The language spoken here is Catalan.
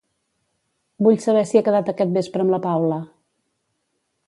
Vull saber si he quedat aquest vespre amb la Paula.